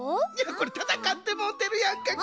これたたかってもうてるやんか。